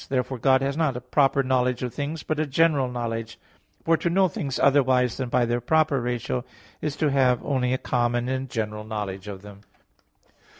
Therefore God has not a proper knowledge of things, but a general knowledge; for to know things otherwise than by their proper ratio is to have only a common and general knowledge of them.